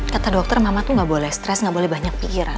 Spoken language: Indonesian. kata dokter mama tuh gak boleh stress gak boleh banyak pikiran